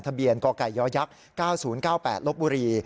ทะเบียนกไก่ย๙๐๙๘ลบบุรี